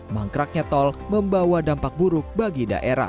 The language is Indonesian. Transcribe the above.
mangkraknya tol membawa dampak buruk bagi daerah